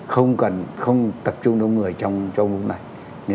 không cần không tập trung đông người trong lúc này nếu như không cần thiết